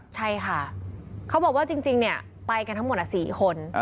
ใช่ค่ะเขาบอกว่าจริงเนี่ยไปกันทั้งหมด๔คน